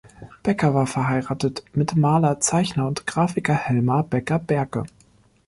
Becker war verheiratet mit dem Maler, Zeichner und Grafiker Helmar Becker-Berke.